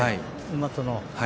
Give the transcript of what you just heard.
馬との。